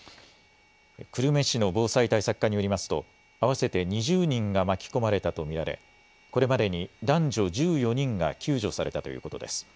久留米市の防災対策課によりますと、合わせて２０人が巻き込まれたと見られ、これまでに男女１４人が救助されたということです。